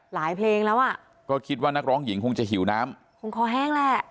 เพลงแล้วอ่ะก็คิดว่านักร้องหญิงคงจะหิวน้ำคงคอแห้งแหละ